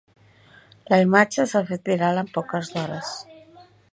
La imatge s’ha fet viral en poques d’hores.